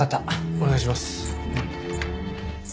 お願いします。